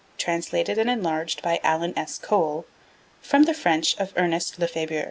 Translated and enlarged by Alan S. Cole from the French of Ernest Lefebure.